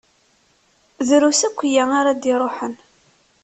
Drus akya ara d-iṛuḥen.